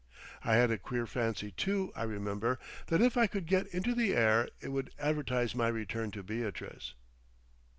I had a queer fancy, too, I remember, that if I could get into the air it would advertise my return to Beatrice.